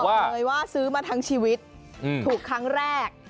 เลยว่าซื้อมาทั้งชีวิตถูกครั้งแรก